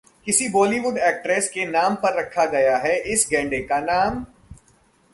किस बॉलीवुड एक्ट्रेस के नाम पर रखा गया है इस गैंडे का नाम?